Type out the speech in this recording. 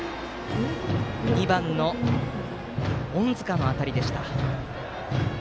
２番、隠塚の当たりでした。